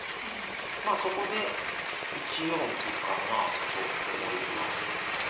まあそこで１四歩かなと思います。